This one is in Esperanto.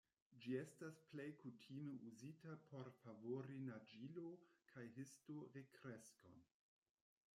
Ĝi estas plej kutime uzita por favori naĝilo- kaj histo-rekreskon.